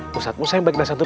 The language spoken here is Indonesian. musa musa yang baik dan santun